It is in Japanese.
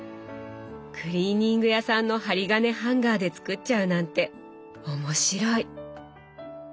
クリーニング屋さんの針金ハンガーで作っちゃうなんて面白い！